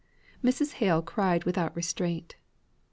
Mrs. Hale cried without restraint.